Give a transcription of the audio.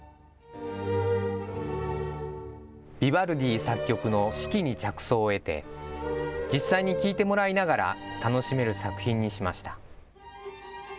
ビバルディ作曲の四季に着想を得て、実際に聞いてもらいながら楽しめる作品にしました。